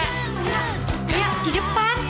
nggak di depan